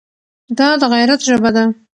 دا د غیرت ژبه ده.